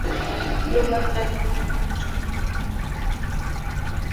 Plummer nació en Richmond, California.